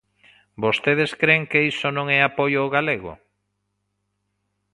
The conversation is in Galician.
¿Vostedes cren que iso non é apoio ao galego?